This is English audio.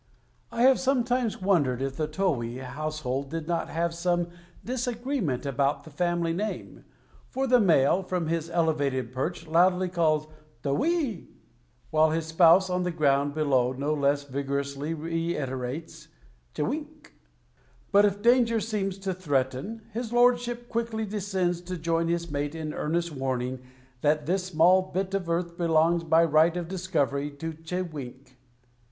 I have sometimes wondered if the towhee household did not have some disagreement about the family name, for the male, from his elevated perch loudly calls towhee e e e, while his spouse on the ground below no less vigorously reiterates che wink. But if danger seems to threaten his lordship quickly descends to join his mate in earnest warning that this small bit of earth belongs by right of discovery to che wink.